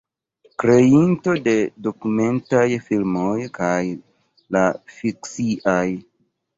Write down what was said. Kreinto de dokumentaj filmoj kaj de la fikciaj.